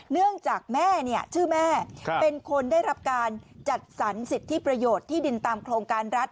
เนื่องจากแม่ชื่อแม่เป็นคนได้รับการจัดสรรสิทธิประโยชน์ที่ดินตามโครงการรัฐ